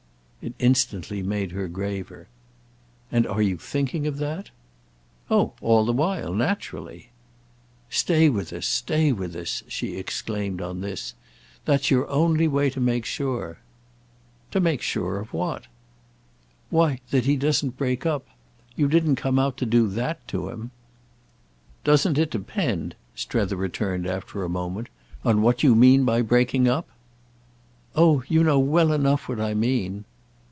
It instantly made her graver. "And are you thinking of that?" "Oh all the while, naturally." "Stay with us—stay with us!" she exclaimed on this. "That's your only way to make sure." "To make sure of what?" "Why that he doesn't break up. You didn't come out to do that to him." "Doesn't it depend," Strether returned after a moment, "on what you mean by breaking up?" "Oh you know well enough what I mean!"